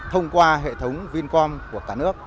thông qua hệ thống vincom của cả nước